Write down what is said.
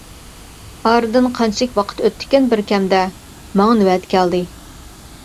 ئارىدىن قانچىلىك ۋاقىت ئۆتتىكىن بىر كەمدە، ماڭا نۆۋەت كەلدى.